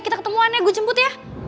kita ketemuannya gue jemput ya